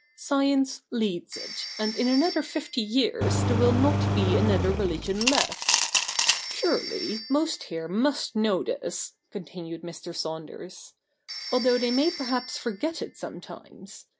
Science leads it, and in another fifty years there will not be another religion left. Surely most here must know this,' continued Mr. Saunders, 'although they may perhaps forget it CH. Ill] THE NEW REPUBLIC 155 sometimes.